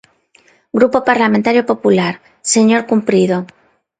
Grupo Parlamentario Popular, señor Cumprido.